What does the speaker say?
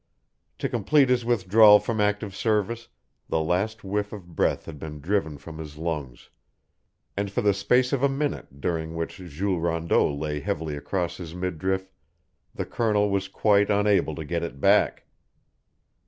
To complete his withdrawal from active service, the last whiff of breath had been driven from his lungs; and for the space of a minute, during which Jules Rondeau lay heavily across his midriff, the Colonel was quite unable to get it back.